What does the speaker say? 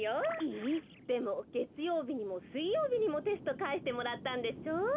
でもげつようびにもすいようびにもテストかえしてもらったんでしょ？